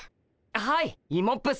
はいイモップっす。